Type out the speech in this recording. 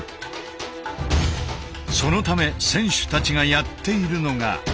そのため選手たちがやっているのが。